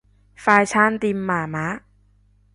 快餐店麻麻